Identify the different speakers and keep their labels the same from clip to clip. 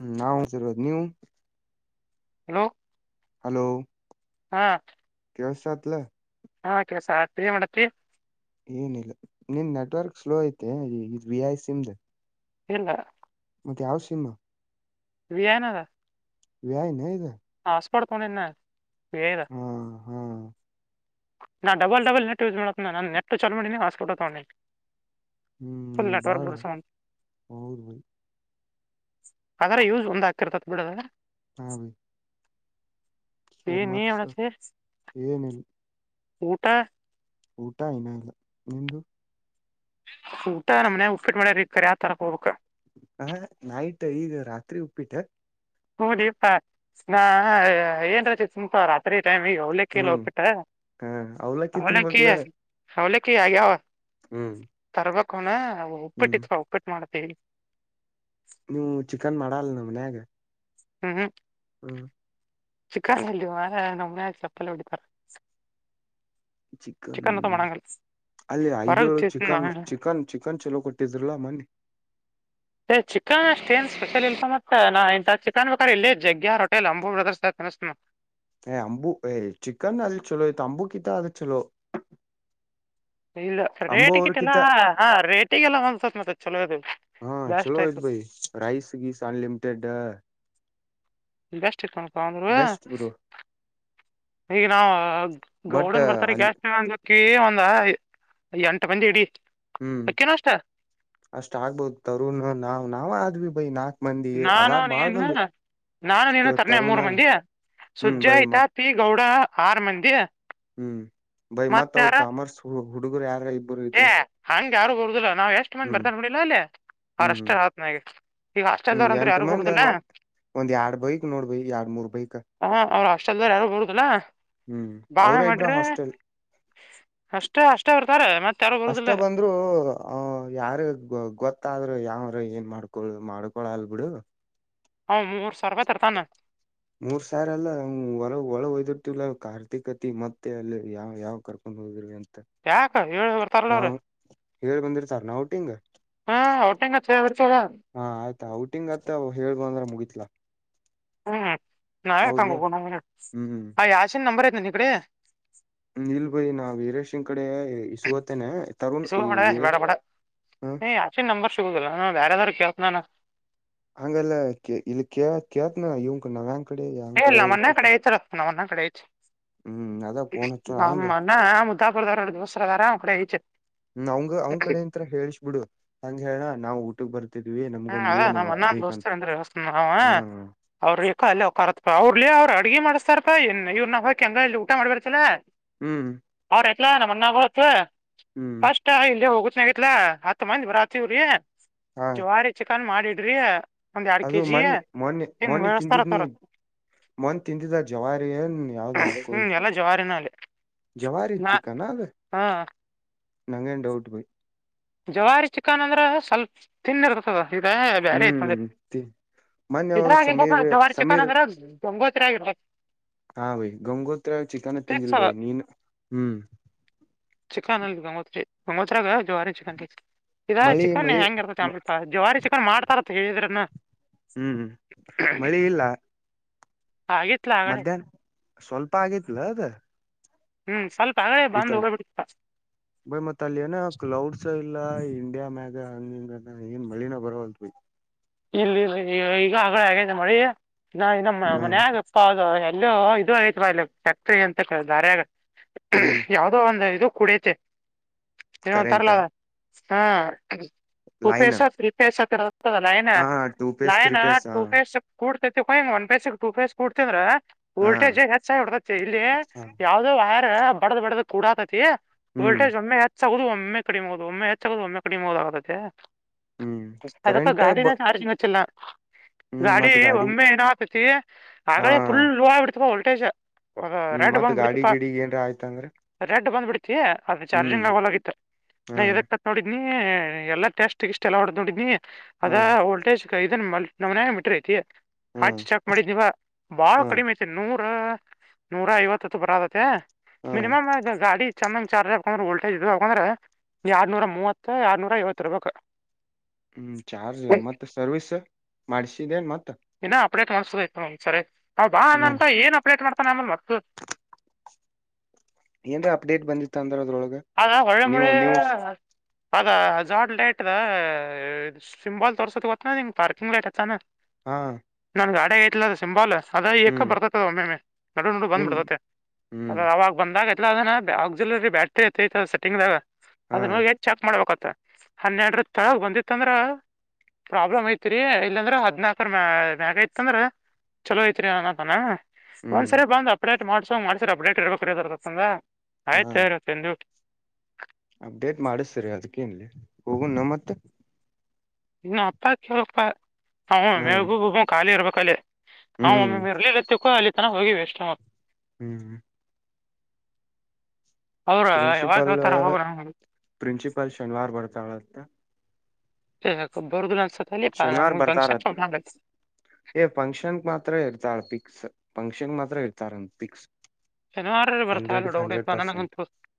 Speaker 1: ಹ್ಮ್ ನಾವ ಉಣ್ಣತಿರದು ನೀವು
Speaker 2: ಹಲೋ
Speaker 1: ಹಲೋ
Speaker 2: ಹಾ
Speaker 1: ಕೇಳಿಸತಲ್ಲೇ
Speaker 2: ಹಾ ಕೇಳಸತಿ ಏನ ಮಾಡತ್ತಿ
Speaker 1: ಏನಿಲ್ಲ ನಿನ್ನ ನೆಟ್ವರ್ಕ್ ಸ್ಲೋ ಐತೆ ಇ ವಿ ಐ ಸಿಮ್ದ
Speaker 2: ಇಲ್ಲ
Speaker 1: ಮತ್ತೆ ಯಾವ ಸಿಮ್ಮ
Speaker 2: ವಿಯಾನದ
Speaker 1: ವಿ ಏ ನ ಈಗ
Speaker 2: ಆಸಪಟ ತೂಂಡಿನ ನಾ ವಿ ಏ ದ
Speaker 1: ಹಾ ಹಾ
Speaker 2: ನಾ ಡಬಲ್ ಡಬಲ್ ನೆಟ್ ಯೂಸ್ ಮಾಡ್ತ ನನ್ನ ನೆಟ್ ಚಲೋ ಮಾಡಿ ಹಾಸ್ಕಟ್ಟೋ ತನಿ
Speaker 1: ಹ್ಮ್ ನೀ ಬಾಳ ಹೌದ ಭೈ
Speaker 2: ಅದರ ಯೂಸ್ ಒಂದ್ ಹಾಕಿರ್ತಿತ ಬಿಡ
Speaker 1: ಹಾ ಬೈ ಸರ್ ಮತ್ ಸರ್
Speaker 2: [unintelligible]
Speaker 1: ಏನಿಲ್ಲ
Speaker 2: ಊಟ
Speaker 1: ಊಟ ಇನ್ನ ಇಲ್ಲ ನಿಂದು
Speaker 2: ಊಟ ನಮ್ಮ ಮನ್ಯಾಗ ಉಪ್ಪಿಟ್ಟ ಮಾಡ್ಯ್ರ ಕರಿ ಆ ತರ ಹೋಗಬೇಕ
Speaker 1: ಹ ನೈಟ್ ಈಗ ರಾತ್ರಿ ಉಪ್ಪಿಟ್ಟ
Speaker 2: ಹ್ಮ ದೀಪಾ ಏನ್ರ ಚಿಕ್ಕ ಮುಖ ರಾತ್ರಿ [unintelligible] ಟೈಮ್ ಈಗ ಅವಲಕ್ಕಿಲ್ಲಿ
Speaker 1: ಹ್ಮ್
Speaker 2: ಉಪ್ಪಿಟ್ಟ
Speaker 1: ಹ ಅವ್ಲಕ್ಕಿ
Speaker 2: ಅವಲಕ್ಕಿ
Speaker 1: ತಿನ್ಬಕ್ಲ
Speaker 2: ಅವಲಕ್ಕಿ ಆಗ್ಯಾವ
Speaker 1: ಹ್ಮ್
Speaker 2: ತರಬೇಕವನ
Speaker 1: ಹ್ಮ್
Speaker 2: ಉಪ್ಪಟ್ಟಿತ್ವ ಉಪ್ಪಟ್ಟು ಮಾಡ್ತವಿ
Speaker 1: ನೀವು ಚಿಕನ್ ಮಾಡಲ್ ನ ಮನ್ಯಾಗ
Speaker 2: ಹ್ಮ್
Speaker 1: ಹ್ಮ್
Speaker 2: ಚಿಕ್ಕನ ಎಲ್ಲಿವ ನಮ್ಮ ಮನ್ಯಾಗ ಚಪ್ಪಲೆ ಹೊಡಿತಾರ
Speaker 1: ಚಿಕನ್
Speaker 2: ಅಂತ ಮಾಡಂಗಲ್ಲ
Speaker 1: ಅಲ್ಲಿ ಐಬಿ
Speaker 2: ಹೊರಗ್
Speaker 1: ಒಳಗ ಚಿಕನ್ ಚಿಕನ್ ಚಿಕನ್ ಚಲೋ ಕೊಟ್ಟಿದ್ರಲ್ಲಾ ಮನ್ನಿ
Speaker 2: ಸ ಚಿಕನ್ ಅಷ್ಟ ಏನ್ ಸ್ಪೆಷಲ್ ಇಲ ತಮ್ಮ ನಾ ಇ ಚಿಕನ್ ಬೇಕಾದ ಇಲ್ಲಿ ಜಗ್ಗ್ಯಾರ್ ರ ಹೊಟೆ ಅಂಬು ಬ್ರದರ್ಸ್ ತಿನಸ್ತನ
Speaker 1: ಏ ಅಂಬು ಏ ಚಿಕನ್ ಅಲ್ಲಿ ಚಲೋ ಇತ ಅಂಬು ಕಿತ ಅದು ಚಲೋ
Speaker 2: ಇಲ್ಲ
Speaker 1: ಅಂಬು
Speaker 2: ರೇಟಗಿಟೆಲ್ಲಾ
Speaker 1: ಅವ್ರಕಿತ
Speaker 2: ಹಾ ರೇಟಿಗೆಲ್ಲ ಒಂದ್ಸತ್ ಮತ್ತ ಚಲೋ ಅದು
Speaker 1: ಹಾ ಚಲೋ ಭೈ ರೈಸ್ ಗೀಸ ಅನ್ಲಿಮಿಟೆಡ್ ಬೆಸ್ಟ್ ಗುರು
Speaker 2: [unintelligible] ಈಗ ನಾವ್
Speaker 1: ಬಟ್
Speaker 2: ಗೌಡನ್ ಬರ್ತಡಾಗ
Speaker 1: ಅಲ್ಲಿ
Speaker 2: ಎಷ್ಟಂಗ ಒಂದ ಎಂಟು ಮಂದಿ ಇಡೀ
Speaker 1: ಹ್ಮ್ ಅಷ್ಟ ಆಗ್ಬೋದು ತರುಣ ನಾವ್ ನಾವ ಆದ್ವಿ ಭೈ ನಾಕ
Speaker 2: ನಾನು ನೀನು ನಾನು ನೀನು ತರಣೆ
Speaker 1: ತರುಣ
Speaker 2: ಮೂರು ಮಂದಿ
Speaker 1: ಹ್ಮ್ ಬೈ
Speaker 2: ಸುಜ್ಜಾಯ್ತಾ
Speaker 1: ಮತ್
Speaker 2: ಪಿ ಗೌಡ ಆರ್ ಮಂದಿ
Speaker 1: ಹ್ಮ್ ಬೈ
Speaker 2: ಮತ್ತ
Speaker 1: ಮತ್ ಅವರು
Speaker 2: ಯಾರ
Speaker 1: ಕಾಮರ್ಸ್ ಹುಡುಗರು ಯಾರ ಇಬ್ಬರು
Speaker 2: ಏ
Speaker 1: ಇದ್ರು
Speaker 2: ಹಂಗ ಯಾರು ಬರುದಿಲ್ಲ ನಾವ್ ಎಷ್ಟು ಮಂದಿ
Speaker 1: ಹ್ಮ್
Speaker 2: ಬರ್ತಾನಕಡಿಿಲ್ಲ ಅಲ್ಲೇ
Speaker 1: ಹ್ಮ್ ಹ್ಮ್
Speaker 2: ಅರಷ್ಟ ಆತ್ ನಗೆ ಈಗ
Speaker 1: ಹ್ಮ್
Speaker 2: ಹಾಸ್ಟೆಲ್ದವ ಅಂದ್ರ
Speaker 1: ಎಂಟ
Speaker 2: ಯಾರು
Speaker 1: ಮಂದಿ
Speaker 2: ಕೊಡುದಿಲ್ಲ
Speaker 1: ಆದ್ರ ಒಂದ್ ಎರಡ್ ಬೈಕ್ ನೋಡ್ಬ ಎರಡ್ ಮೂರ್ ಬೈಕ್
Speaker 2: ಇಷ್ಟ ಅಲ್ದಾರ ಯಾರು ಬರುಡದಲ್ಲ
Speaker 1: ಹ್ಮ್
Speaker 2: ಬಾ
Speaker 1: ಅವ್ರ ಇಬ್ರ
Speaker 2: ಮಾಡ್ರೆ
Speaker 1: ಹಾಸ್ಟೆಲ್
Speaker 2: ಅಷ್ಟೇ ಅಷ್ಟೇ ಬರ್ತಾರೆ ಮತ್ತೆ
Speaker 1: ಅಷ್ಟೇ ಬಂದ್ರು ಯಾರ ಗೊತ್ತ ಆದ್ರರು ಯಾವಾರ ಏನ್ ಮಾಡ್ಕೊಳ್ ಮಾಡ್ಕೊಳ ಅಲ್ ಬಿಡು
Speaker 2: ಅವ್ ಮೂರ್ ಸಾವಿರ ರೂಪಾಯಿ ತರ್ತಾನ
Speaker 1: ಮೂರ್ ಸಾವಿ ಅಲ್ಲ ಹೊಳ ಒಳ ಹಯ್ತ ಅಲ ಕಾರ್ಥಿಕತೆ ಮತ್ತೆ ಅಲ್ಲಿ ಯಾವ ಯಾವ್ ಕರ್ಕೊಂಡು ಹೋಗಿದ್ರವಿ ಅಂತ
Speaker 2: ಯಾಕ ಹೇಳ ಬರ್ತಾರಲ್ಲ ಅವ್ರ
Speaker 1: ಏಳ್ ಬಂದಿ ಸರ್ ನ ಔಟಿಂಗ್
Speaker 2: ಒಟ್ಟಂಗ ಬಿಡ್ತಾರ
Speaker 1: ಹಾ ಆಯ್ತಾ ಔಟಿಂಗ್ ಅತ್ ಹೇಳ್ಗು ಅಂದ್ರೆ ಮುಗಿತ್ಲಾ
Speaker 2: ಹ್ಮ್ ನಾವೇ ತಂಗ
Speaker 1: ಹೌದ್ಲ
Speaker 2: ಹೋಗೋ
Speaker 1: ಹ್ಮ್
Speaker 2: ಯಶನ್ ನಂಬರ್ ಐತೆನ ಈ ಕಡೆ
Speaker 1: ಇಲ್ ಭಯಿ ನಾ ವೀರೇಶನ್ ಕಡೆ ಇ ಸಗೋತೇನೆ ತರುಣ್ ಈ ವ
Speaker 2: ನೀ ಆಚೆ ನಂಬರ್ ಸಿಗುದಿಲ್ಲ ನ ಬೇರೆದ್ದಾರು ಕೇೇಳತನಾನ
Speaker 1: ಹಂಗಲ್ಲ ಇ ಕ ಕೇತನ ಇವನಕ ನ್ಯಾ
Speaker 2: ಹೇಲ್ಲ ಮೊನ್ನ ಕಡೆ ತರತ ನ ಮೊನ್ನ ಕಡೆ
Speaker 1: ಹ್ಮ್ ಅದ ಫೋನ್ ಹಚ್ಚೋಣ ಅವಂಗ
Speaker 2: ಅವರು ದೋಸ್ತ್ರ ಅದರ ಅವರ ಕಡೆ ಐತಿ
Speaker 1: ಅವಂಗ ಅವ್ ಕಡೆ ಇಂತರ ಹೇಳಳ್ಸ್ಬಿಡು ಹಂಗ ಹೇಳಣ ನಾವ್ ಊಟಕ್ ಬರ್ತಿದವಿ
Speaker 2: ಹ್ಮ ಅದ ನಮ್ ಅನ್ನಂದ ದೋಸ್ತ ಅಂದ್ರೆಸ್ ನಾವ
Speaker 1: ಹ
Speaker 2: ಅವ್ರ ಈಏಕ ಅಲ್ಲೇಕ್ಕತ್ಪಾ ಅವ್ರಲಿೇ ಅವ್ ಅಡ್ಗ ಮಾಡ್ತಾರಪ್ಪಾ ಇನ್ ಇವ್ ನಾವ ಹಾಕ್ ಹೆಂಗ ಇಲ್ಲಿ ಊಟ ಮಾಡಬರ್ತಲ್ಲಾ
Speaker 1: ಹ್ಮ್
Speaker 2: ಇಲಾ ನಮ್ಮನ್ನತ್
Speaker 1: ಹ್ಮ್
Speaker 2: ಫಸ್ಟ್ ಇಲ್ಲಿ ಹೋಗುತ್ತನ ಆಗತ್ಲಾ ಹತ್ ಮಂದಿ ಬರಾತ್ರಿವ್ರರಿ
Speaker 1: ಹಾ
Speaker 2: ಜವಾರಿ ಚಿಕನ್ ಮಾಡಿಡ್ರಿ ಒಂದ್ ಎರಡ್
Speaker 1: ಅದು
Speaker 2: ಕೆಜಿ
Speaker 1: ಮೊನ್ನಿ ಮೊನ್ನೆ
Speaker 2: ಹಿಂಗ್
Speaker 1: ಮೊನ್ನಿ ತಿಂದಿದ್ನಿ
Speaker 2: ಬೆಳಸ್ತಾರತವ್ರ
Speaker 1: ಮೊನ್ ತಿಂದಿದ ಜವಾರಿಯನ್ ಯಾವ್ದದು ಕೋಳಿ
Speaker 2: ಹ್ಮ್ ಎಲ್ಲಾ ಜವಾರಿನ ಅಲ್ಲಿ
Speaker 1: ಜವಾರಿ ಇ
Speaker 2: ನಾ
Speaker 1: ಚಿಕನ ಅದ
Speaker 2: ಹ
Speaker 1: ನಂಗೇನ್ ಡೌಟ್ ಭೈ
Speaker 2: ಜವಾರಿ ಚಿಕನ್ ಅಂದ್ರೆ ಸ್ವಲ್ಪ ತಿನ್ನಿರ್ತದ ಇ ಬೇರೆ ತ್ಂದ
Speaker 1: ಹ್ಮ್ ಮೊನ್ನೆ ಯಾವಾಗ
Speaker 2: ಇದ್ರಾಗಿ
Speaker 1: ಸಮೀರ್
Speaker 2: ಜವಾರಿ
Speaker 1: ಸಮೀರ್
Speaker 2: ಚಿಕ್ಕನ್ಗ್ರ ಗಂಗೋತ್ರಿ ಆಗಿರ
Speaker 1: ಹಾ ಭೈ ಗಂಗೋತ್ರಾವ ಚಿಕನ್
Speaker 2: ಫಿಕ್ಸ್
Speaker 1: ತಿಂದಿಲ್ಲ
Speaker 2: ಅದ
Speaker 1: ಭೈ ನೀನು ಹ್ಮ್
Speaker 2: ಚಿಕನ್ ಅಲ್ಲ ಗಂಗೋತ್ರಿ ಗೋತ್ರಾಗ ಜವಾರಿ ಚಿಕನ್
Speaker 1: ಮಳಿ
Speaker 2: ಚಿಕನ್
Speaker 1: ಮಳಿ
Speaker 2: ಹೆಂಗ ಇರ್ತ ಜಾರಿ ಚಿಕ ಮಾಡ್ತಾರ ಹೇಳಿದ್ರನ್ನ
Speaker 1: ಹ್ಮ್ ಮಳೆ ಇಲ್ಲ
Speaker 2: ಆಗಿತ್ಲ ಆಗಡೆ
Speaker 1: ಮಧ್ಯಾಹ್ನ ಸ್ವಲ್ಪ ಆಗಿತ್ಲ ಅದ
Speaker 2: ಹ್ಮ್ ಸ್ವಲ್ಪ ಆಗಡೆ ಬಂದ್
Speaker 1: ಇಡೆ
Speaker 2: ಹೋಗ್ಬಿಡ್ತ
Speaker 1: ಬ ಮತ್ತಲ್ಲಿಯನ ಕ್ಲಾೌಡ್ ಸ ಇಲ್ಲ ಇಂಡಿಯಾ ಮ್ಯಾಗ ಹಂದಿಂದ ಏನ್ ಮಳಿನ ಬರಲ್ರಿ
Speaker 2: ಇಲ್ಲಿ ಈಗ ಆ ಹಗ ನೋ ನಮ್ಮ
Speaker 1: ಹ
Speaker 2: ಮನ್ ಆಗಪ್ಪ ಇಲ್ಲ ಇದು ಆಯ್ತವಾ ಇಲ್ಲಿ ಫ್ಯಾಕ್ಟ್ರಿ ಅಂತ ದಾರಾಗ
Speaker 1: ಏನ್
Speaker 2: ಯಾವದೋ ಒಂದು ಇದು ಕೂಡಐತೆ ಏನ ಒ
Speaker 1: ಕರೆಂಟ
Speaker 2: ತರ್ಲದ ಹಾ
Speaker 1: ಲೈನ್
Speaker 2: ಟೂಫೇಶ ತ್ರಿಪೇಶತದ ಲೈನ್
Speaker 1: ಹಾ two phase
Speaker 2: line
Speaker 1: three phase ಹ
Speaker 2: ಟೂಫೇಶ ಕೂ ೋಿಂಗ ಒನ್ೇಸ್ ಟೂ ಪೇಸ್ೂಡ್ತಿದ್ರ [unintelligible]
Speaker 1: ಹಾ
Speaker 2: ವೋಲ್ಟೇಜ್ ಹೆಚ್ಚಾಗಿ ಹೊಡ್ತೈತಿ ಇಲ್ಲಿ ಯಾವವುದೋ ವೈರ್ ಬಡದ್ ಬಡದ ಕೂಡಾತತಿ
Speaker 1: ಹ್ಮ್
Speaker 2: ವೋಲ್ಟೇಜ್ ಒಮ್ಮೆ ಹೆಚ್ಚಾಗೋುದು ಒಮ್ಮೆ ಕಡಿಮೆ ಆಗುದು ಒಮ್ಮೆ ಹೆಚ್ಚಾಗುದು ಒಮ್ಮೆ ಕಡಿಮೆ ಹೋದಾಗತ್ತೆ
Speaker 1: ಹ್ಮ್
Speaker 2: ಅದಕ್ಕ
Speaker 1: ಕರೆಂಟ್ ಬ
Speaker 2: ಗಾಡಿನ ಚಾರ್ಜ್ ಮಚ್ಚಲ್ಲ
Speaker 1: ಹ್ಮ್
Speaker 2: ಗಾಡಿ
Speaker 1: ಮತ್
Speaker 2: ಒಮ್ಮೆ ದಿನ ಆಗ್ತತಿ
Speaker 1: ಹಾ
Speaker 2: ಆಗಡೆ ಫುಲ್ ಲೋ ಆಬಡ್ತವ ವಲ್ಟೇಜ್ ಒ
Speaker 1: ಹ್ಮ್
Speaker 2: ರಾಡು
Speaker 1: ಮತ್
Speaker 2: ಬಮ್
Speaker 1: ಗಾಡಿ
Speaker 2: ಬಿಡಿತಪಾ
Speaker 1: ಗಿಡಿಗ್ ಏನ್ರ ಆಯ್ತಂದ್ರ
Speaker 2: ರೆಡ್ ಬಂದ್ಬಿಡ್ತಿ ಅದ್ರ
Speaker 1: ಹ್ಮ್
Speaker 2: ಚಾರ್ಜಿಂಗ್ ಆಗೋಲಾಗಿತ್ತು
Speaker 1: ಹಾ
Speaker 2: ನಾ ಇದಕ್ತ್ ನೋಡಿದನಿ ಎಲ್ಲ ಟೆಸ್ಟ ಗಿಟ್ಸ್ ಎಲ್ಲ ಹೊಡದ ನೋಡಿದ್ನಿ ಅದ
Speaker 1: ಹ್ಮ್
Speaker 2: ವೋಲ್ಟೇಜ್ ಇದನ್ನ ನಮ್ಮನೆಗೆ ಮಿಟ್ರ
Speaker 1: ಹ್ಮ್
Speaker 2: ಹಚ್ಚಿ ಚೆಕ್ ಮಾಡಿದ ನೀವ ಬಾಳ
Speaker 1: ಹ್ಮ್
Speaker 2: ಕಡಿಮೆ ಐತಿ ನೂರ ನೂರ ಐವತ್ತತ್ತು ಬರದತೆ
Speaker 1: ಹ್ಮ್
Speaker 2: ಮಿನಿಮಮ್ ಗಾಡಿ [inaudible] ಚಾಮನ್ ಚಾರ್ಜ್ ಹಾಕಂದ್ರೆ ವೋಲ್ಟೇಜ್ ಇ ಯಾಕಂದ್ರೆ ಆರ್ನೂರ ಮೂವತ್ತು ಆರ್ನೂರ ಐವತ್ತು ಇರ್ಬೇಕು [unintelligible]
Speaker 1: ಹ್ಮ್ ಚಾರ್ಜ್ ಮತ್ತತ್ ಸರ್ವಿಸ್ ಮಾಡ್ಸಿದ್ದೇನ್ ಮತ್ತ
Speaker 2: ಇನ್ನ ಅಪ್ಡೇಟ್ ಮಾಡ್ಸೋದಯ ಒಂದ್ ಸರಿ ನಾ ಬಾ ಅಂದ
Speaker 1: ಹಾ
Speaker 2: ಅಂತ ಏನ್ ಅಪ್ಡೇಟ್ ಮಾಡ್ತಾನ ಆಮೇಲ್ ಮತ್ತ [unintelligible] ಹಾಂ [unintelligible]
Speaker 1: ಏನ್್ರ ಅಪ್ಡೇಟ್ ಬಂದಿತ್ತ ಅಂದ್ರ ಅದ್ರೊಳಗ
Speaker 2: ಆ ಹೊಳೆ ಮಳೆ
Speaker 1: ನೀವು ನೀವು
Speaker 2: [unintelligible] ಅದ ಜಾಡ್ ಲೈಟ್ ಅದ ಸಿಂಬಾಲ್ ತೋರ್ಸೋದ ಗತ್ತನ ನಿಂಗ್ ಪಾರ್ಕಿಂಗ್ ಲೈಟ್ ಅತ್ತಾನ [unintelligible]
Speaker 1: ಹಾ
Speaker 2: ನ ಗಾಡೆ ಗ ಇಲ ಸಿಂಬಾಲಲ್ [unintelligible] ಅದ ಏಕ
Speaker 1: ಹ್ಮ್
Speaker 2: ಬರ್ತತದ ಒಮ್ಮೆಮ್ಮೆ ನಡು ನಡು ಬಂದ್
Speaker 1: ನಿಮ್
Speaker 2: ಬಿಿಡ್ತತೆ ಅದ
Speaker 1: ಹ್ಮ್
Speaker 2: ಅವಾಗ ಬಂದಾಗ [unintelligible] ಇ ಅದ ಆಗ್ುಲರಿ ಬ್ಯಾಟ್ರಿ ಐೈ ಸೆಟ್ಟಿಂಗ್ ದಾಗ
Speaker 1: ಹಾ
Speaker 2: ಅದನ್ನ ಹೋಗಿ ಚೆಕ್ ಮಾಡ್ಬೇಕತ್ತ [unintelligible] ಹನ್ನೆರಡರ ತಳ ಬಂದಿತ್ತಂದ್ರ ಪ್ರಾಬ್ಲಮ್ ಐತಿರಿ ಇಲ್ಲಾಂದ್ರ ಹದ್ನಾಾಲ್ಕರ ಮ ಮ್ಯಾಗ ಐತ್ಂದ್ರ ಚಲೋ ಐತ್ರಿ ಅತಾನ
Speaker 1: ಹ್ಮ್
Speaker 2: ಒಂದ್ಸರಿ ಬಂದ ಅಪ್ಡೇಟ್ ಮಾಡ್ಸೋ್ ಮಾಡ್ಸರಿ ಅಪ್ಡೇಟ್ ಇರ್ಬೇಕು ರದ ತಂದ
Speaker 1: ಹಾ
Speaker 2: ಆಯ್ತ ಜೂಟ್
Speaker 1: ಅಪ್ಡೇಟ್ ಮಾಡಿಸತ್ರರಿ ಅದ್ಕ್ಕನ್ಲ್ಲಿ ಹೋಗ ನಮ್ಮತ್ತ
Speaker 2: ಇನ್ನು ಅತ್ತ ಕೇಳಪ್ಪ ನಾವು
Speaker 1: ಹ್ಮ
Speaker 2: ಮೇಗೂಬ ಖಾಲಿ ಇರ್ಬೇಕಲ್ಲಿ [unintelligible] ಹಾ
Speaker 1: ಹ್ಮ್
Speaker 2: ಒಮ್ಮೆ ಇರ್ಲಿ ಇರ್ತ್ತಕ್ಕ ಅಲ್ಲಿ ತನ ಹೋಗಿ ವ ಎಷ್ಟ
Speaker 1: ಹ್ಮ್
Speaker 2: ಅವ್ರ ಯಾವಾಗ
Speaker 1: ಪ್ರಿನ್ಸಿಪಲ್
Speaker 2: ಹೇಳ್ತಾರ ಹೋಗ
Speaker 1: ಪ್ರಿನ್ಸಿಪಲ್ ಶನಿವಾರ ಬರ್ತಳ
Speaker 2: ಹಬರ್ಗು ನ [unintelligible]
Speaker 1: ಶನಿವಾರ ಬರ್ತಾರತ್ ಏ ಫಂಕ್ಷನ್ ಮಾತ್ರ ಇರ್ತಾಳ ಪಿಕ್ಸ್ ಫಂಕ್ಷನ್ ಮಾತ್ರ ಇರ್ತಾರ ಅ ಫಿಕ್ಸ್
Speaker 2: ಶನಿವಾರಲ್ಲಿ ಬರ್ತಾಲ್ಲ ಡೌಡವಾ ನನಗೊಂದ ಪುಸ್ತ [unintelligible] [inaudible]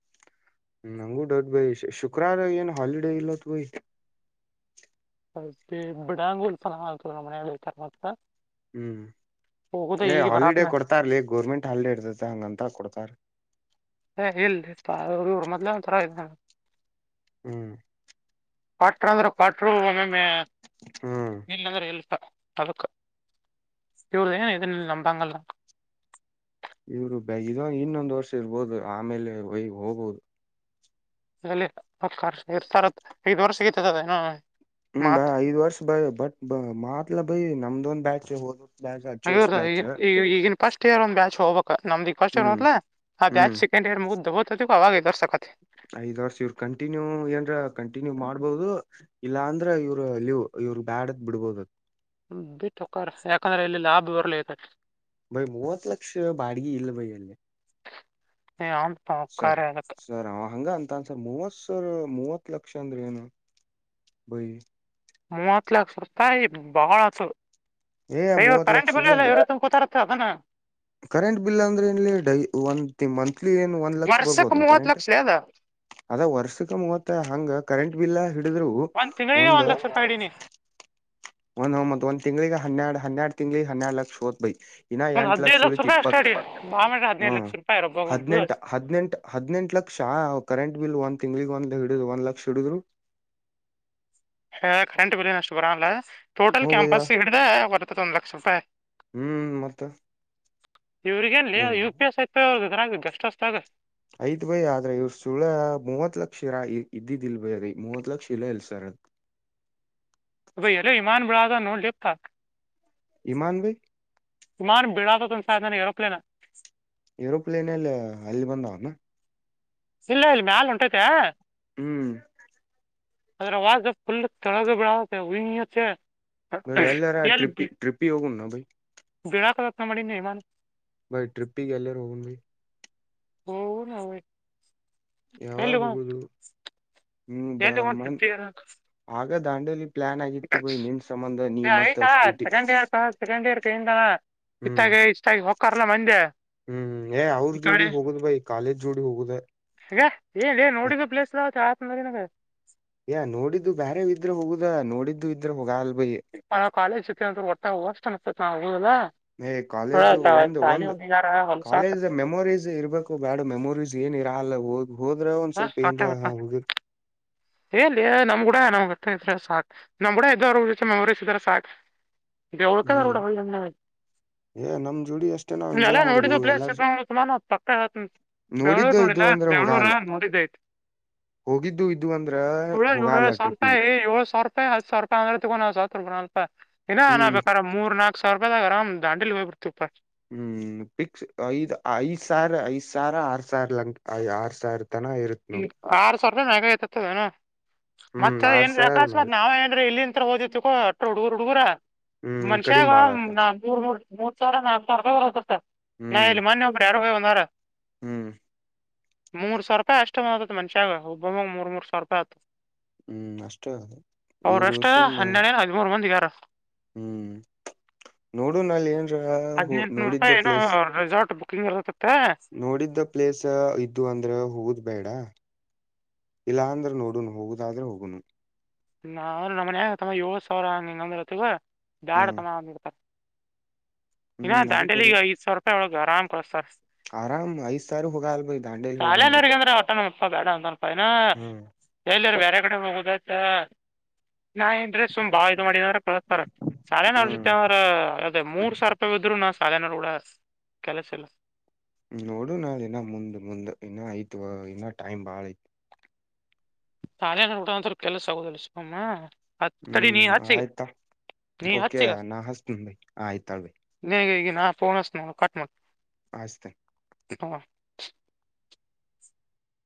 Speaker 1: ನಂಗು ಡೌಟ್ ಭ ಶುಕ್ರವಾರ ಏನು ಹಲಿಡೆೇ ಇಲ್ಲತ ಭ
Speaker 2: ಬಡಾಂಗುಸಲ ಹ ತ ನಮ್ಮನ [unintelligible]
Speaker 1: ಹ್ಮ್ ಏ ಹಾಲಿಡೇ
Speaker 2: ಬರಾತ್ನ
Speaker 1: ಕೊಡ್ತಾರಲಿ ಗೋರ್ಮೆಂಟ್ ಹಾಲಿಡೇ ಇರ್ತತೆ ಹಂಗಂತ ಕೊಡುತ್ತಾರೆ
Speaker 2: ಏ ಇಲ್ಲಿ ಇವ್ರ ಮೊದ್ೇ ಒಂಥರ ಇ [unintelligible]
Speaker 1: ಹ್ಮ್
Speaker 2: ಕಾಟ್ರ ಅಂದ್ರೆ ಕಾಟ್ರು ಒೆ
Speaker 1: ಹ್ಮ್
Speaker 2: ಇಲ್ ಅಂದ್ರೆ ಎಲ್ಸ [unintelligible] ಅಳಕ ಇವರು ಏ ಎ ನಂಬಾಂಗಲ್ಲ [unintelligible]
Speaker 1: ಇವರು ಬ ಇಾಗ ಇನ್ನೊಂದು್ ವರ್ಷ ಇರ್ಬೋದು ಆಮೇಲೆ ಹೋಗ್ಬಹುದು
Speaker 2: ಅಲ್ಲಿ ಎ ಸ ದ್ ವರ್ ಸಿಗತದದ [unintelligible]
Speaker 1: ಹ್ಮ್ ಬ ಐದ್ ವರ್ಷ ಬೈ ಬಟ್ ಮಾತ್ಲ ಬೈ ನಮ್ದೊಂದ್ ಬ್ಯಾಚ್ ಹೋದ ಬ್ಯಾಚ್ ಹಚ್ಚ ವರ್ಷ
Speaker 2: ಹದ
Speaker 1: ಬ್ಯಾಚ್
Speaker 2: ಈಗ ಈಗಿನ ಫಸ್ಟ್ ಇಯರ್ ಒಂದ್ ಬ್ಯಾಚ್ ಹೋಗ ನಮ್ದಿ ಫಸ್ಟ್
Speaker 1: ಹ್ಮ್
Speaker 2: ಹೋದಲ ಅದ ಯ್
Speaker 1: ಹ್ಮ್
Speaker 2: ಸೆಂಡ್ ಇಯ ಮುಗ್ದಬತ ಅದಕ್ಕ ಅವಾಗ ಎದುರ್ಸಕತ್ತೆ [unintelligible]
Speaker 1: ಐದ್ ವರ್ಷ ಇವರು ಕಂಟಿನ್ಯೂ ಏನ್ರ ಕಂಟಿನ್ಯೂ ಮಾಡ್ಬಹುದು ಇಲ್ಲ ಅಂದ್ರ ಇವ್ರು ಅಲ್ಲಿವು್ ಇವ್ರ ಬ್ಯಾಡದ್ ಬಿಡ್ಬೋದತ್
Speaker 2: ಬಿಟ್ಟ ಒಕ್ಕರ್ ಯಾಕಂದ್ರೆ ಇಲ್ಲಿ ಲಾಭ ಇರ್ಲಿ ತ
Speaker 1: ಬೈ ಮೂವತ್ ಲಕ್ಷ ಬಾಡಗಿ ಇಲ್ಲ ಬೈ ಅಲ್ಲಿ
Speaker 2: ಹೋಕಾರ
Speaker 1: ಸರ್
Speaker 2: ಅದಕ್ಕ
Speaker 1: ಸರ್ ಅವ ಹಂಗ ಅಂತ ಅನ್ಸರ್ ಮೂವತ್ಸರ್ ಮೂವತ್ ಲಕ್ಷ ಅಂದ್ರೆ ಏನು ಬೈಿ
Speaker 2: ಮೂವತ್ ಲಾಕ್ ಸರ್ತಾಯ ಬಾಳತವರು
Speaker 1: ಏ ಮೂವತ್
Speaker 2: ಕರೆಂಟ್
Speaker 1: ಲಕ್ಷ
Speaker 2: ಬಿಲ್ ಇಲ್ಲ ಇವ್ರ ಕೂತಾರ ಣ [unintelligible]
Speaker 1: ಕರೆಂಟ್ ಬಿಲ್ ಅಂದ್ರೆ ಇಲ್ಲಿ ಡೈ ಒ ಮಂತ್ ಇ ಏನ್ ಒಂದ್ ಲಕ್ಷ
Speaker 2: ವರ್ಷಕ್
Speaker 1: ಬರ್ಬಹದು
Speaker 2: ಮೂವತ್
Speaker 1: ಕರೆಂಟ್
Speaker 2: ಲಕ್ಷ ಅದ
Speaker 1: ಅದ ವರ್ಷಕ್ಕೆ ಮೂವತ್ತ ಹಂಗ ಕರೆಂಟ್ ಇಲ್ಲ ಹಿಡಿದ್ರು
Speaker 2: ಒಂದ್ ತಿಂಗಳಿಗೆ
Speaker 1: ಒಂದು
Speaker 2: ಒಂದ್ ಲಕ್ಷ ರೂಪಾಯಿ ಇಡೀನಿ
Speaker 1: ಒಂದ್ ಒಂದ ತಿಂಗ್ಳಿಗೆ ಹನ್ನೆರಡ್ ಹನ್ನೆರಡ್ ತಿಂಗ್ಳಿಗೆ ಹನ್ನೆರಡ್ ಲಕ್ಷ ಹೋದತ್ ಬೈ ಇನ್ನ
Speaker 2: ಒಂದ್
Speaker 1: ಎಂಟು
Speaker 2: ಹದಿನೈದು
Speaker 1: ಲಕ್ಷ ಳತಿ
Speaker 2: ರೂಪಾಯಿ ಅಷ್ಟ
Speaker 1: ಇಪ್ಪತ್ತು
Speaker 2: ಅಡಿ ಬಾ ಮಾಡ್ರ
Speaker 1: ಹ್ಮ
Speaker 2: ಹದಿನೈದು ಲಕ್ಷ ರೂಪಾಯಿ ರೊಬ್ಬೊಬ್ಬ
Speaker 1: ಹದ್ನೆೆಂಟ ಹದ್ನೆೆಂಟ ಹದ್ನೆೆಂಟ ಲಕ್ಷ ಕರೆಂಟ್ ಬಿಲ್ ಒಂದ್ ತಿಂಗ್ಳಗ್ ಒಂದ್ ಹಿಡುದು ಒಂದ ಲಕ್ಷ ಹಿಡಿದ್ರು
Speaker 2: ಹಾ ಕರೆಂಟ್ ಬಿಲನು ಅಷ್ಟು ಬರ ಅಲ್ಲ ಟೋಟಲ್
Speaker 1: ಹ್ಮ ಭಯ್ಯ
Speaker 2: ಕ್ಯಾಂಪಸ್ ಹಿಡ್ದ ಬರ್ತದ ಒಂದು ಲಕ್ಷ ರೂಪಾಯಿ
Speaker 1: ಹ್ಮ್ ಮತ್ತ
Speaker 2: ಇವ್ರಿಗೆಲ್ಲಿ
Speaker 1: ಹ್ಮ್
Speaker 2: ಯು ಪಿ ಎಸ್ ಯ್ತು್ರರ ಎಸ್ಟ್ ಅಷ್ಟ ಆ
Speaker 1: ಯ್ತ್ ಬಯ ಆದ್ರೆ ಇವ್ರ ಸುಳ ಮೂವತ್ ಲಕ್ಷ ಇರಾ ಇದ್ದಿದಿಲ್ ಭಯದೀ ಮೂವತ್ ಲಕ್ಷ ಇಲ್ಲಾ ಇಲ್ಸರ
Speaker 2: ಅ ಯರೋ ಇಮಾನ ಬಿುಳಾದ ನೋಡಲೆಪ್ಪ
Speaker 1: ಇಮಾಂಡ್
Speaker 2: ಸುಮಾರು ಬೀಳಕದ ಒಂದ ಸಾಯಿ ನನ್ ಏರೋಪ್ಲೇನ್
Speaker 1: ಯರೋಪ್ಲೇನ್ ಅಲ್ಲಿ ಅಲ್ಲಿ ಬಂದಾವನ
Speaker 2: ಇಲ್ಲ ಇಲ್ ಮ್ಯಾಲ ಉಂಟೈತೆ
Speaker 1: ಹ್ಮ್
Speaker 2: ಅದ್ರವಾಗ ಫುಲ್ ಕೆಳಗ ಬಿಡತ್ತೆ ಹತೆೆ
Speaker 1: ಎಲ್ಲರ ಟ್ರಿಪ್ ಟ್ರಿಪ್ಪಿಗೆ ಹೋಗ್ಣ ಬ
Speaker 2: ಬಿಳಾಕದತ ಮಾಡಿ ನೀಮನ್
Speaker 1: ಭೈ ಟ್ರಿಪ್ ಗೆಹ ಗೇಲ್ಲ ರ ಹೋಗನ್ ಭ
Speaker 2: [unintelligible]
Speaker 1: ಯಾವಾಗ
Speaker 2: ಎಲ್ಲಿ
Speaker 1: ಹೋಗುದು ಹ್ಮ ಬ ಮನ್ ಆಗ ದಾಂಡಲಿ ಸ್ಕೂಟಿ
Speaker 2: ಐತಾಕಂಡ್ ಇರ್ಕಂಡ್ ಇಯರ್ ಕೈನ
Speaker 1: ಹ್ಮ್
Speaker 2: ಇತ್ತಾಗ ಇಷ್ಟಾಗಿ ಹಕ್ಕರ್ಲ್ಲ ಮಂದೆ
Speaker 1: ಹ್ಮ್ ಏ ಅವ್ರ
Speaker 2: ಈ
Speaker 1: ಜೋಡಿ
Speaker 2: ಕಡೆ
Speaker 1: ಹೋಗುದ್ ಭೈ ಕಾಲೇಜ್ ಜೋಡಿ ಹೋಗುದ
Speaker 2: ಈಗ ಏನ್ ಏನ್ ನೋಡಿದ ಪ್ಲೇಸ್ಲ್ಲ ಆತ್ನರಿನಾಗ
Speaker 1: ನೋಡಿದ್ದು ಬೇರೆ ಇದ್ರೆ ಹೋಗುದ ನೋಡಿದ್ದು ಇದ್ರೆ ಹೋಗಲ್ ಬೈ
Speaker 2: ಕಾಲೇಜ್ತೆ ಅಂದ್ರೆ ಒಟ್ಟಾಗ ಹೋಷ್ಟ ಅನ್ತತ್ ನಾವು ಹದಾ
Speaker 1: ಕಾಲೇಜು ಒಂದು ಒಂದು
Speaker 2: ಹೋಗಿದಾರ ಹೊಲ್ಸಾಕ
Speaker 1: ಕಾಲೇಜ್ ಮೆಮೊರೀಸ್ ಇರ್ಬೇಕು ಬ್ಯಾಡ ಮೆಮೊರೀಸ್ ಏನ ಇರ ಅಲ್ಲ ಹೋದ್ರ ಒಂದ್ ಸ್ವಲ್ಪ ಏನ್ರ ಹ ಹೋಗಿದ
Speaker 2: ಎಲ್ಲಿ ನಮ್ ಕೂಡ ನಮ್ ಗ ಇದ್ರ ಸಾಕಕ್ ನಮ್ ಕೂಡ ಇದ್ದೋ್ರ ಮೆಮೊರೀಸ್ ಇದಾರೆ ಸಾಕ
Speaker 1: ಹ್ಮ್
Speaker 2: ಓಳಖದರ ಹ ಅ
Speaker 1: ಏ ನಮ್ ಜೋಡಿ ಅಷ್ಟೇ ನಾವ್
Speaker 2: ನೀ ಎಲ್ಲ
Speaker 1: ಎಂಜಾಯ್ ಮಾಡುದು
Speaker 2: ನೋಡಿದು
Speaker 1: ಎಲ್ಲಾರ
Speaker 2: ಪ ತುಮಾನ ಪಕ್ಕಾು ಬೆಂಳೂರು
Speaker 1: ನೋಡಿದ್ದು ಇದು
Speaker 2: ನೋಲ್ಲಾ
Speaker 1: ಅಂದ್ರ
Speaker 2: ಬೆಂಳೂರ
Speaker 1: ಹೋಗಲ್ಲ
Speaker 2: ನೋಡಿದ್ದೈತ್
Speaker 1: ಹೋಗಿದ್ದು ಇದು ಅಂದ್ರ
Speaker 2: ಸಾವ
Speaker 1: ಹೋಗಲ್ಲ
Speaker 2: ರೂಪಾಯಿ
Speaker 1: ಟ್ರಿಪಿಗೆ
Speaker 2: ಏಳ್ ಸಾವರ ರೂಪಾಯಿ ಹತ್ತು ಸಾವಿರ ರೂಪಾಯಿ ತೊಂಡ ನ ಸಾವರ ರೂಪಾಯ ನಲ್ಪ ಇ ನ
Speaker 1: ಹ್ಮ್
Speaker 2: ಬೇಕಾದ ನ ಮೂ ನಾಕಕ್ವರ ರೂಪಾಯ್ದಾಗರ್ ದಂಡಲಿ ಹೋಗ್ ಬಿಡ್ತತಿಪ್ಪ
Speaker 1: ಹ್ಮ್ ಪಿಕ್ಸ್ ಐದ್ ಐದ್ ಸಾವಿರ ಐದ್ ಸಾವಿರ ಆರ್ ಸಾವಿ ಲಂ ಆರ್ ಸಾವಿರ ತನ ಇರುತ್
Speaker 2: ಈ
Speaker 1: ನೋಡಿ
Speaker 2: ಆರ್ ಸಾವಿರ ರೂಪಾಯಿ ಮಾಗ ಐತದಏನು
Speaker 1: ಹ್ಮ್
Speaker 2: ಮತ್ತ
Speaker 1: ಆರ್
Speaker 2: ಏನ್
Speaker 1: ಸಾವಿರ ಮ್ಯಾಲ
Speaker 2: ಆಕಾಶವತ್ ನಾವ ಏನ್ರೀ ಇಲ್ಲಿ ತ್ರ ಹದಿತ್ತು ಕೋ ಅ್ರ ಹುಡುಗರು ಹುಡುಗುರ
Speaker 1: ಹ್ಮ್
Speaker 2: ಮನ್ಷ್ಯಾಗ
Speaker 1: ಕಡಿಮೆ ಬಾಳ
Speaker 2: ನ
Speaker 1: ಆತತ್
Speaker 2: ಮೂರ್ ಮೂರ್ ಮೂರ್ ಸಾವಿರ ನಾಲ್ಕು ಸಾವಿರ ರೂಪಾಯಿ ವರಸತ್ತ ನಾ
Speaker 1: ಹ್ಮ್
Speaker 2: ಇಲ್ಲಿ ಮೊೆಬ್ಬರು ಯಾರ ಒ
Speaker 1: ಹ್ಮ್
Speaker 2: ಮೂರ್ ಸಾವಿರ ರೂಪಾಯಿ ಅಷ್ಟೇತತ್ ಮನ್ಷ್ಯಾಗ ಒಬ್ಬೊಮ್ಮಾಗ ಮೂ ಸಾವರ ರೂಪಾಯಿ ಆಯತು
Speaker 1: ಹ್ಮ್ ಅಷ್ಟೇ ಇವರು
Speaker 2: ಎಷ್ಟ
Speaker 1: ಸುಮ್ಮ
Speaker 2: ಹನ್ನೆರಡೇನ್ ಹದಿಮೂರ್ ಮಂದಿ ಆಗ್ಯಾರ
Speaker 1: ಹ್ಮ್ ನೋಡು ನಲ್ಲಿ ಏನ್
Speaker 2: ಹದಿನೆಂಟನೂ ರೂಪಾಯ ಏನ ರಸಾರ್ಟ್ ಬುಕಿಂಗ್ ಇರತ್ತೆ
Speaker 1: ನೋಡಿದ್ದ ಪ್ಲೇಸ್ ಇದದು ಅಂದ್ರೆ ಹೋಗದ್ ಬೇಡ ಇಲ್ಲ ಅಂದ್ರ ನೋಡುನು ಹೋಗುದಾದ್ರೆ ಹೋಗುನು
Speaker 2: ನಾವ್ರ ನಮ್ಮ ಮನ್ಯಾಗ ತಮ್ಮ ಏಳ್ ಸಾವಿರ ಹ ಹೆಂಗಂದ್ರತ್ತಗ ಬಾಡ್
Speaker 1: ಹ್ಮ್
Speaker 2: ತಮ್ಮ ಅಂದಬಡ್ತಾರೆ ಇನ್ನ
Speaker 1: ಹ್ಮ್
Speaker 2: ದಾಂಡಲಿಿಗೆ ಐದ್ಾವಿರ ರೂಪಾಯಿ ಒಳಗೆ ಆರಾಮ್ಳಸ್ತರ್
Speaker 1: ಆರಾಮ ಐಿಸ ಸಾರ ಹೋಗ ಅಲ್
Speaker 2: ಶಾಲೆನೋಗ ಅಂದ್ರೆ ಹೊಟ್ಟ ನಪ್ಪ ಬೇಡ ಒಂದೊಂದು ರೂಪಾಯಿನ
Speaker 1: ಹ್ಮ್
Speaker 2: ಶೈಲರು ಬೇರೆ ಕಡೆ ಹೋಗುದ ಟ್ಟ ನಾ ನ್್ರೆ ಸುಮ್ ಬಾ ಇದ್ ಮಾಡಿದ್ರ ಕಳಸ್ತ ಸಳೆ
Speaker 1: ಹ್ಮ್
Speaker 2: ನ್ರ ಅದೇ ಮೂರ್ ಸಾವಿರ ರೂಪಾಯಿ ಬಿದ್ರು ನ ಕಾಲನಲಾ ಹುಳ ಕಲಸ ಎಲ್ಲ
Speaker 1: ನೋಡು ನಾಳ ಇನ್ನ ಮುಂದ್ ಮುಂದ್ ಇನ್ನ ಆಯ್ತು ಇನ್ನ ಟೈಮ್ ಬಾಳ ಐ್ತು
Speaker 2: ತಾಲೆನ ಊಟಸ್ರ ಕೆಲಸ ಆಗೋುದಿಲ್ಲ ಸುಿವಮ್ಮ ಹತ್ ತಡೆ ನೀ
Speaker 1: ಹ್ಮ್
Speaker 2: ಹತ್ ಸಿಗ
Speaker 1: ಆಯ್ತಾ ಓಕೆ ನಾ ಹಸ್ತ ಭೈ ಆ ಆಯ್ತಾಳ್ ಭ
Speaker 2: ನಿನಗೆ ಈಗ ನಾ ಫೋನ್ಸ್ ನ ಕಟ್ ಮಟ್ಟ
Speaker 1: ಆಸತೀನಿ
Speaker 2: ಏಕೊವ್